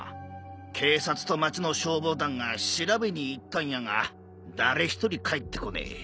警察と町の消防団が調べに行ったんやが誰一人帰ってこねえ。